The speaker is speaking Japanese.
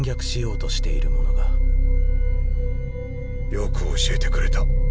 よく教えてくれた。